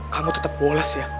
kamu tetap bolas ya